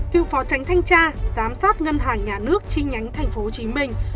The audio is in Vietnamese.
cựu tránh thanh tra giám sát ngân hàng nhà nước chi nhánh thành phố hồ chí minh